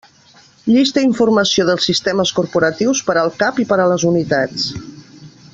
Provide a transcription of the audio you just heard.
Llista informació dels sistemes corporatius per al cap i per a les unitats.